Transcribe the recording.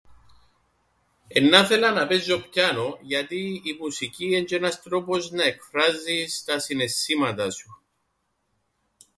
Εννά 'θελα να παίζω πιάνον, γιατί η μουσική εν' τζ̆' ένας τρόπος να εκφράζεις τα συναισθήματα σου.